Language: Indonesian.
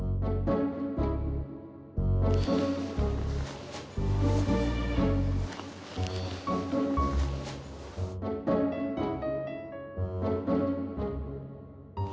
gak ada apa apa